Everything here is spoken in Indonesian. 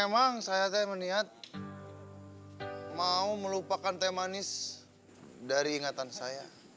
memang saya teteh meniat mau melupakan teteh manis dari ingatan saya